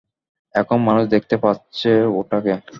এখন মানুষ দেখতে পাচ্ছে ওটাকে!